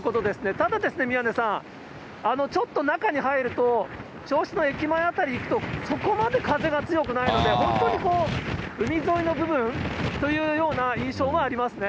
ただですね、宮根さん、ちょっと中に入ると、銚子の駅前辺り行くと、そこまで風が強くないので、本当にこう、海沿いの部分というような印象はありますね。